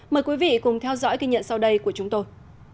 mời quý vị cùng theo dõi kỳ nhận sau đây của chúng tôi